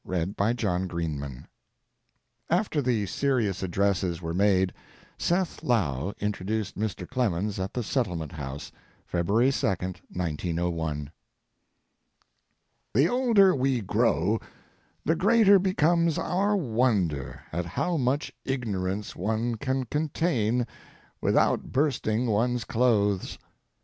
UNIVERSITY SETTLEMENT SOCIETY After the serious addresses were made, Seth Low introduced Mr. Clemens at the Settlement House, February 2, 1901. The older we grow the greater becomes our wonder at how much ignorance one can contain without bursting one's clothes.